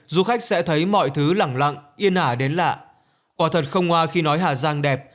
du khách sẽ thấy mọi thứ lẳng lặng yên ả đến lạ quả thật không ngoa khi nói hà giang đẹp